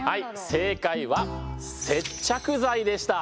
正解は接着剤でした。